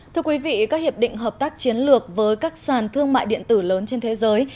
thưa quý vị các hiệp định hợp tác chiến lược với các sàn thương mại điện tử lớn trên thế giới